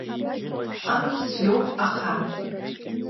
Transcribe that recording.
Амш цәгьоуп аха…